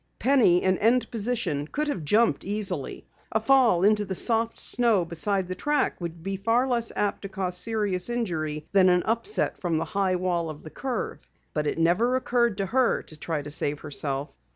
Penny, in end position, could have jumped easily, A fall into the soft snow beside the track would be far less apt to cause serious injury than an upset from the high wall of the curve. But it never occurred to her to try to save herself.